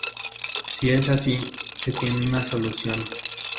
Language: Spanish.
Si es así, se tiene una solución.